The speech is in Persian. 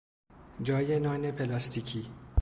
جای نان پلاستیکی